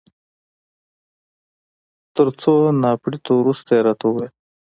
تر څو نا پړيتو وروسته يې راته وویل.